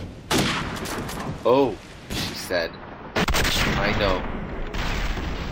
"Oh," she said; "I know."